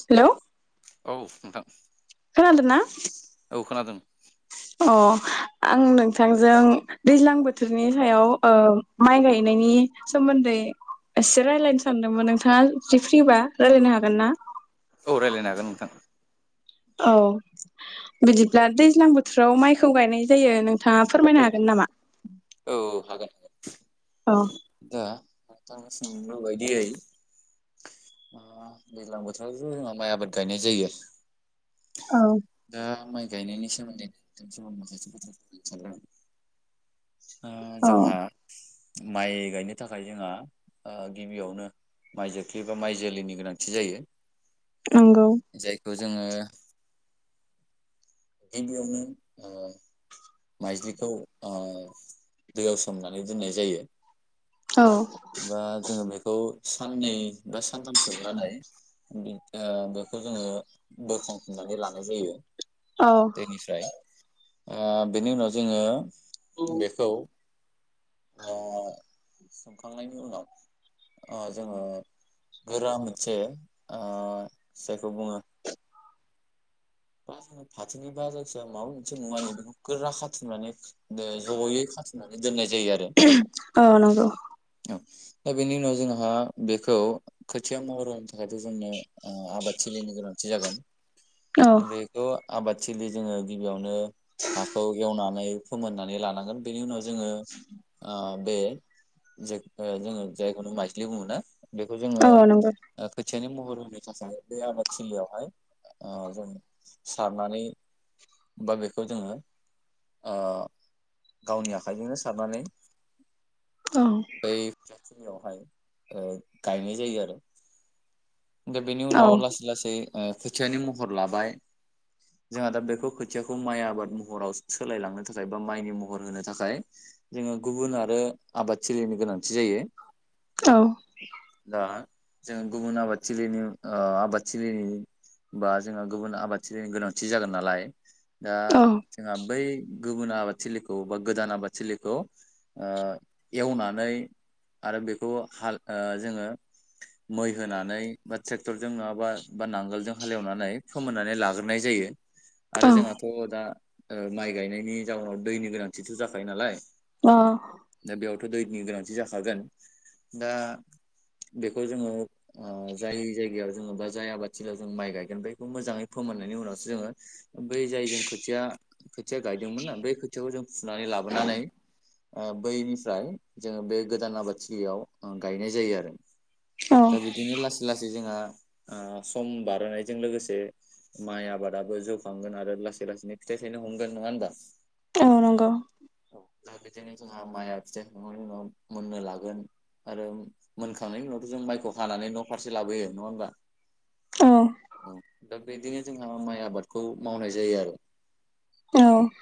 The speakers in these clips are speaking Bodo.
हेलौ औ नोंथां खोनादों ना? औ खोनादों आं नोंथांजों दैज्लां बोथोरनि सायाव ओ माइ गायनायनि सोमोन्दै एसे रायलायनो सानदोंमोन नोंथाङा एसे फ्रिबा रायलायनो हागोन ना? औ रायलायनो हागोन नोंथां। औ बिदिब्ला दैज्लां बोथोराव माइखौ गायनाय जायो नों थाङा औ फोरमायनो हागोन नामा? औ हागोन। औ दा नोंथाङा सोंनाय बायदिायै दैज्लां बोथोरावथ' जोंहा माइ आबाद गायनाय जायो। औ दा माइ गायनायनि सोमोनदै [unintelligible] ओ औ जोंहा माइ गायनो थाखाय जोंहा ओ गिबियावनो माइ जोख्लि एबा माइ जोलैनि गोनां थि जायो। नंगौ जायखौ जोङो गिबियावनो ओ माइज्लिखौ ओ दैयाव सोमनानै दोननाय जायो। औ। बा जोङो बेखौ साननै बा सानथाम सोमनानै ओ बेखौ जोङो बोखांफिननानै लानाय जायो। औ। अ बेनि उनाव जोङो बेखौ अ खांनायनि उनाव अ जोङो गोरा मोनसे ओ जायखौ बुङो बा जोंङो फाथोनि बा जायखिया माबा मोनसे मुवानि बेखौ गोरा खाथुमनानै दो ज'यै खाथुमनानै दोननाय जायो आरो। औ नंगौ दा बेनि उनाव जोंहा बेखौ खोथिया महर थाखायथ' जोंनो ओ आबादथिलिनि गोनांथि जागोन। औ बेखौ आबादथिलि जोङो गिबियावनो हाखौ एवनानै फोमोननानै लानांगोन बेनि उनाव जोङो ओ बे जोङो जायखौनो माइज्लि बुङो ना? बेखौ जोङो औ नंगौ ओ खोथ खोथियानि महर होनो थाखाय बे आबादथिलियावहाय ओ जों सारनानै बा बेखौ जोङो ओ गावनि आखाइजोंनो सारनानै औ। थिलियावहाय ओ गायनाय जायो आरो दा बेनि औ उनाव लासै लासै ओ खोथियानि महर लाबाय। जोंहा दा बेखौ खोथियाखौ माइ आबाद महराव सोलायलांनो थाखाय बा माइनि महर होनो थाखाय जोङो गुबुन आरो आबादथिलिनि गोनांथि जायो। औ। जोंङो गुबुन आबादथिलिनि ओ आबाद थिलि बा जोङो गुबुन आबाद थिनि गोनांथि जागोन नालाय दा औ जोंहा बै गुबुन आबाद थिलिखौ बा गोदान आबाद थिलिखौ ओ एवनानै आरो बेखौ हाल ओ जोङो मै होनानै बा ट्रेक्टरजों नङाबा बा नांगोलजों हालेवनानै लायो फोमोननानै ला ग्रोनाय जायो। अ आरो जोंहाथ' दा ओ माइ गायनायनि जाउनाव दैनि गोनांथिथ' जाखायो नालाय। अ। थ' दैनि गोनांथि जाखागोन दा बेखौ जोङो ओ जाय जायगायाव जोङो बा जाय आबादथिलि जों माइ गायगोन बेखौ मोजाङै फोमोननायनि उनावसो जोङो बै जाय जों खोथिया खोथिया गायदोंमोन ना बै खोथियाखौ जों फुनानै लाबोनानै ओ बैनिफ्राय जोङो बे गोदान आबादथिलियाव ओ गायनाय जायो आरो दा औ बिदिनो लासै लासै जोंहा ओ सम बारहोनायजों लोगोसे माइ आबादाबो जौखांगोन आरो लासै लासैनो फिथाइ थायनो हमगोन नङा होनबा? औ नंगौ। दा बिदिनो जोंहा माइआ फिथाइखांनायनि उनाव मोननो लागोन आरो मोनखांनायनि उनावथ जों माइखौ हानानै न फारसे लाबोयो नङा होमबा? औ औ दा बिदिनो जोंहा माइ आबादखौ मावनाय जायो आरो औ [inaudible]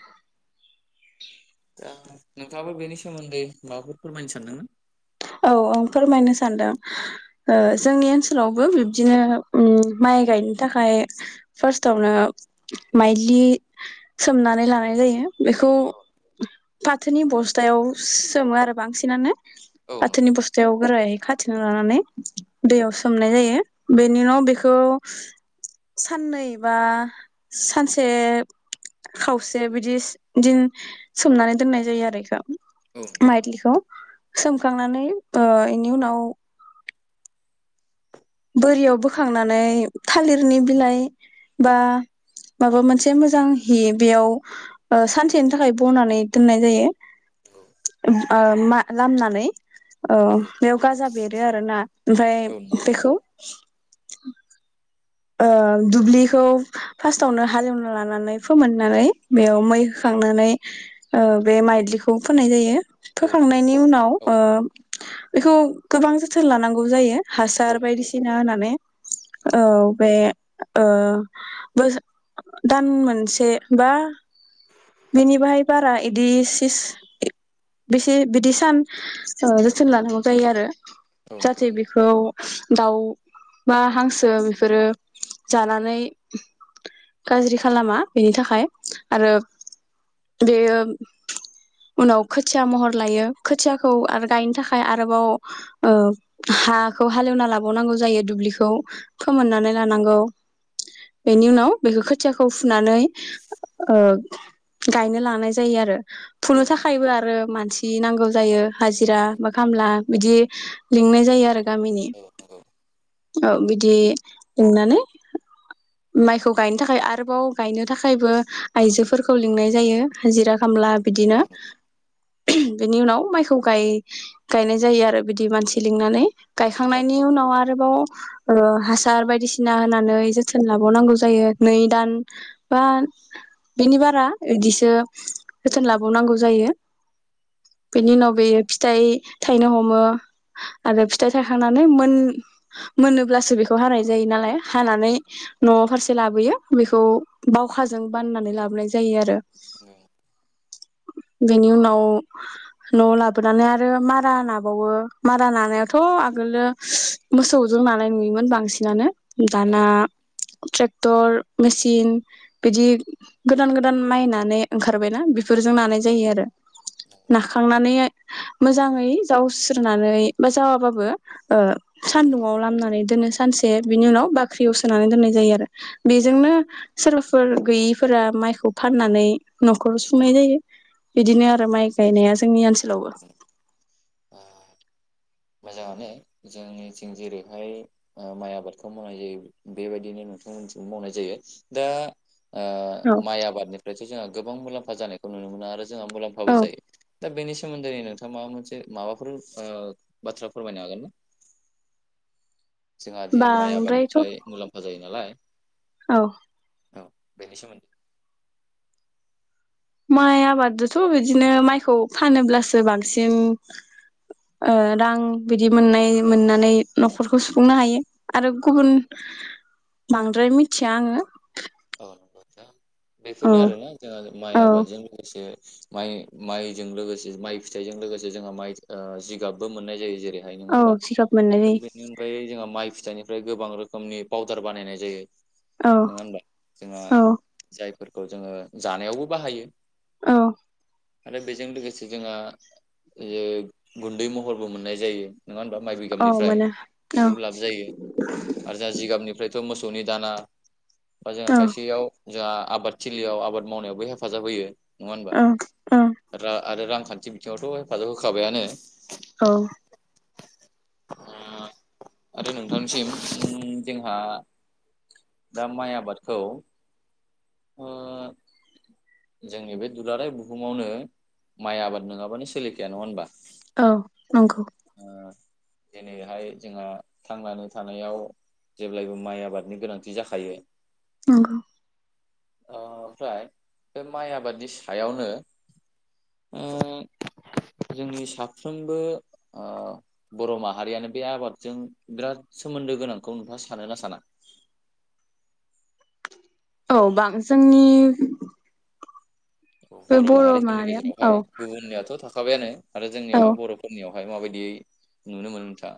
दा नोंथाङाबो बेनि सोमोन्दै माबाफोर फोरमायनो सानदोंमोन? औ आं फोरमायनो सानदों ओ जोंनि ओनसोलावबो बिब्दिनो उम माइ गायनो थाखाय फार्स्टआवनो माइलि सोमनानै लानाय जायो बेखौ औ फाथोनि बस्थायाव सोमो आरो बांसिनानो। औ फाथोनि बस्थायाव गोरायै खाथेना लानानै दैयाव नंगौ सोमनाय जायो। बेनि उनाव बेखौ साननै बा सानसे खावसे बिदिस दिन सोमनानै दोननाय जायो आरो यिखौ औ नंगौ माइतलिखौ सोम खांनानै ओ बेनि उनाव बोरियाव बोखांनानै नंगौ थालिरनि बिलाइ बा माबा मोनसे मोजां हि बेयाव सानसेनि थाखाय बनानै दोननाय जायो औ ओ लामनानै औ नंगौ बेयाव गाजा बेरो आरोना ओमफ्राय बेखौ [inaudible] ओ दुब्लिखौ फार्स्टावनो हाल एवना लानानै फोमोननानै बेयाव मै होखांनानै बे माइलिखौ फोननाय जायो फोखांनायनि उनाव ओ बेखौ गोबां जोथोन लानांगौ जायो औ हासार बायदिसिना होना [inaudible] औ नंगौ ओ [unintelligible] दान मोनसे बा बेनि बाहाय बारा यिदि सि बेसे बिदि सान जोथोन लानांगौ जायो आरो औ नंगौ जाहाथे बेखौ दाउ बा हांसो बेफोरो जानानै गाज्रि खालामा बेनि थाखाय आरो बेयो उनाव खोथिया महर लायो खोथिया खौ आरो गायनो थाखाय आरो आरोबाव ओ‌ हाखौ हाल एवना लाबावनांगौ जायो दुब्लिखौ फोमोननानै लानांगौ बेनि नंगौ उनाव बेखौ खोथिया खौ फुनानै ओ गायनो लानाय जायो आरो औ नंगौ औ फुनो नंगौ थाखायबो आरो मानसि मानसि नांगौ जायो हाजिरा नंगौ मा खामला बिदि लिंनाय जायो आरो गामिनि औ नंगौ औ नंगौ औ औ बिदि लिंनानै माइखौ गायनो थाखाय आरोबाव गायनो थाखायबो आइजोफोरखौ लिंनाय जायो हाजिरा। खामला बिदिनो नंगौ औ नंगौ औ नंगौ औ बेनि उनाव माइखौ गायनाय जायो आरो बिदि मानसि लिंनानै। नंगौ गायखांनायनि उनाव आरोबाव ओ हासार बायदि बायदिसिना होनानै जोथोन लाबावनांगौ जायो नै दान बा बेनि बारा बिदिसो जोथोन लाबावनांगौ जायो। औ बेनि उनाव बेयो फिथाइ थायनो हमो आरो फिथाइ थायखांनानै मोन मोनोब्लासो बेखौ हानाय। जायो नालाय हानानै न'आव फारसे लाबोयो बेखौ बावखाजों बाननानै लाबोनाय जायो आरो। [unintelligible] बेनि उनाव न'आव लाबोनानै आरो मारा नाबावो मारा नानायावाथ' आगोलो मोसौजों नानाय नुयोमोन बांसिन नानो दाना [unintelligible] टर मेसिन बिदि गोदान गोदान मायनानै ओंखारबायना बि फोरजों नानाय जायो आरो नाखांनानै मोजाङै जावस्रोनानै बा जावाबाबो ओ नंगौ सान्दुंआव लामनानै दोनोस सानसे बिनि उनाव बाख्रियाव सोनानै दोननाय जायो आरो औ बेजोंनो सोरबाफोर गैयिफोरा माइखौ फाननानै न'खराव सुनाय जायो बिदिनो आरो माइ गायनाया जोंनि ओनसोलावबो आ मोजाङानो जोंनिथिं जेरैहाय ओ माइ आबादखौ मावनाय जायो बेबायदिनो नोंथांमोननिथिंबो मावनाय जायो दा ओ औ माइ आबादनिफ्रायसो जोंहा गोबां मुलाम्फा फा जानायखौ नुनो मोन आरो जोंहा औ मुलाम्फाबो जायो। दा बेनि सोमोन्दै नोंथाङा माबा मोनसे माबाफोर बाथ्रा फोरमायनो हागोनना? जोंहा दिनै माइ बांद्रायथ' आबादनिफ्राय मुलाम्फा जायो नालाय। औ। औ बेनि सोमोन्दै माइ आबादजोंथ' बिदिनो माइखौ फानोब्लासो बांसिन ओ रां बि दि मोननाय औ मोननानै न'खर खौ सुफुंनो हायो आरो गुबुन बांद्राय मिथिया आङो। औ नंगौ नोंथां औ बेफोरनो आरोना जोंहा माइ औ आबादजों लोगोसे माइ माइजों लोगोसे माइ फिथाइजों लोगोसे जोंहा माइ ओ जिगाबबो मोननाय जायो जेरै रैहाय नङा औ होमबा जिगाब मोननाय बेनि अनगायै जों माइ फिथाइनि ओमफ्राय गोबां रोखोमनि पाउदार बानायनाय जायो। जायो नोङा होमबा? औ [unintelligible] माइफोरखौ जोङो जानायावबो बाहायो। औ आरो बेजों लोगोसे जोंहा ओ गुन्दै महरबो मोननाय जायो। नोङा होनबा माइ औ बिगाबनिफ्राय मोनो औ [unintelligible] लाब जायो आरो जा जिगाबनिफ्राय [unintelligible] मोसौनि दाना बा जोंहा औ खायसेयाव जोंहा आबाद थिलियाव आबाद मावनायावबो हेफाजाब होयो। नङा होनबा औ औ रा आरो रां खान्थि बिथिङावथ' हेफाजाब होखाबायानो। औ ओ आरो नोंथांनिसिम उम जोंहा दा माइ आबाद खौ ओ जोंनि बे दुलाराय बुहुमावनो माइ आबाद नोङाबानो सोलिखाया नङा होनबा? औ नंगौ। जेनेहाय जोंहा थांनानै थानायाव जेब्लायबो माइ आबादनि गोनांथि जाखायो। नंगौ। ओ ओमफ्राय बे माइ आबादनि सायावनो उम जोंनि साफ्रोमबो ओ बर' माहारियानो बे आबादजों बिराद सोमोन्दो गोनांखौ नोंथाङा सानोना साना? औ बां जोंनि औ बे बर' माहारिफोरनि माहारिया औ गेजेरावहाय गुबुननियाथ' थाखा थाबायानो आरो औ जोंनियाहा बर'फोरनियाव फाय माबायदियै नुनो मोनो नोंथा?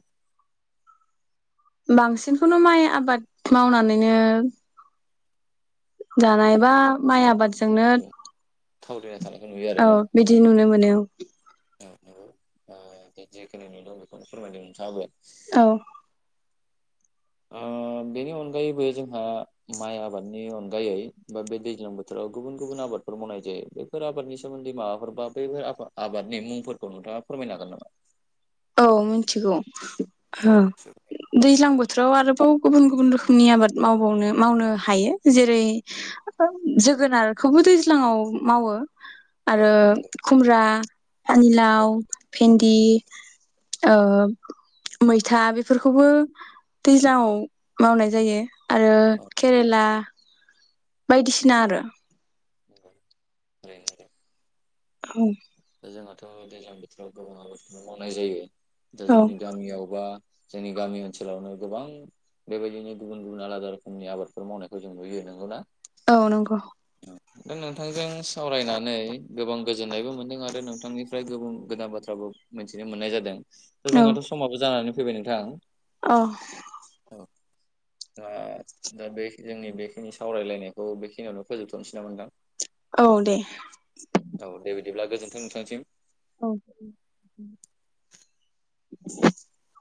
बांसिनखौनो माइ आबाद मावनानैनो जानायबा माइ आबाद जोंनो औ [unintelligible] औ आरोना बिदि नुनो मोनो औ। औ नंगौ ओ दे जेखिनि नुदोंं बेखौनो फोरमायदों नोंथाङाबो। औ ओ बेनि अनगायैबो जोंहा माइ आबादनि अनगायै बा बे दैज्लां बोथोराव गुबुन गुबुन आबादफोर मावनाय जायो बेफोर आबादनि सोमोन्दै माबाफोर बा बैफोर आबा आबादनि मुंफोरखौ नोंथाङा फोरमायनो हागोन नामा? औ मिथिगौ। औ हा नंगौ। दैज्लां बो थ्रोआव आरोबाव गुबुन गुबुन रोखोमनि आबाद मावबावनो मावनो हायो। जेरै जोगोनारखौबो दैज्लाङाव मावो। औ आरो नंगौ खुमब्रा पानिलाव, भिन्दि, औ ओ मैथा बेफोरखौबो दैज्लाङाव मावनाय जायो। आरो नंगौ औ केरेला बायदिसिना आरो। नंगौ [unintelligible] औ। दा जोंहाथ' दैज्लां बोथोराव गोबां आबादखौनो मावनाय जायो। दा औ जोंनि गामियावबा जोंनि गामि ओनसोलावनो गोबां बेबायदिनो गुबुन गुबुन आलादा रोखोमनि आबादफोर मावनायखौ जों नुयो नंगौना? औ नंग'। दा नोंथांजों सावरायनानै गोबां गोजोननायबो मोनदों आ रो नोंथांनिफ्राय गोबां गोदान बाथ्राबो मिथिनो मोननाय जादों। दा जोंहाथ' समाबो जानानै फैबाय नोंथां। अह। जोंहा दा बे जोंनि बेखिनि सावरायलायनायखौ बेखिनियावनो फोजोबथ'नोसै नामा नोंथां? औ दे। थों नोंथांनिसिम। औ [inaudible]